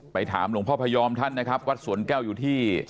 ถามหลวงพ่อพยอมท่านนะครับวัดสวนแก้วอยู่ที่